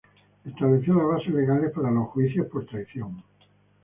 Estableció las bases legales para los juicios por traición.